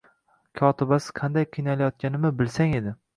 Kotibasiz qanday qiynalayotganimni bilsang edi